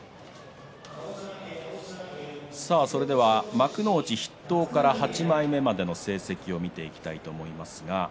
幕内筆頭から８枚目までの成績を見ていきたいと思います。